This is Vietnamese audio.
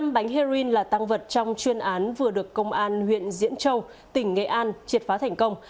một mươi bánh heroin là tăng vật trong chuyên án vừa được công an huyện diễn châu tỉnh nghệ an triệt phá thành công